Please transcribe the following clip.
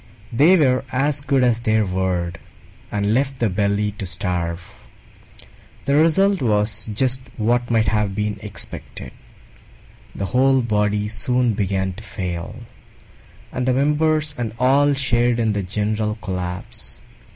They were as good as their word, and left the Belly to starve. The result was just what might have been expected: the whole Body soon began to fail, and the Members and all shared in the general collapse.